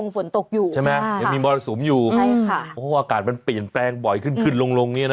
ฝนตกใช่ไหมยังมีมรสสมอยู่โอ้อากาศมันเปลี่ยนแปลงบ่อยขึ้นลงนี่นะ